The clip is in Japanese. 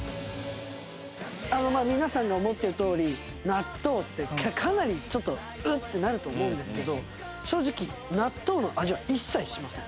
あのまあ皆さんが思ってるとおり納豆ってかなりちょっとウッてなると思うんですけど正直納豆の味は一切しません。